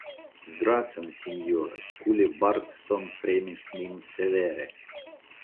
Gracon, sinjoro; Skule Bardsson premis nin severe!